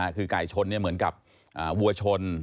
คือไก่ชนเหมือนกับวัวชน